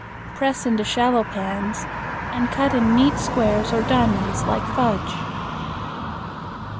Press into shallow pans and cut in neat squares or diamonds like fudge.